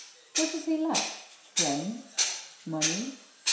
What does he lack? Friends, money?